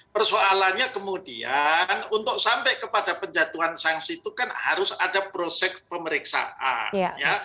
persoalannya kemudian untuk sampai kepada penjatuhan sanksi itu kan harus ada proses pemeriksaan